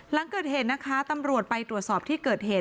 หลังเกิดเหตุนะคะตำรวจไปตรวจสอบที่เกิดเหตุ